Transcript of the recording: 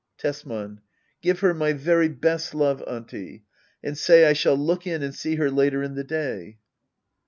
Tesman. Give her my very best love. Auntie ; and say I shall look in and see her later in the day.